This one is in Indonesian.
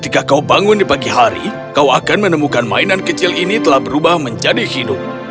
kau akan menemukan kecil ini telah berubah menjadi hidupmu